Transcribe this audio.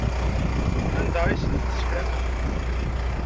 Anda ay asent-teslam?